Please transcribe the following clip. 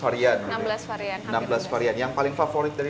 enam belas varian yang paling favorit dari enam belas varian itu